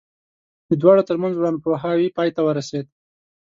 د دواړو ترمنځ ورانپوهاوی پای ته ورسېد.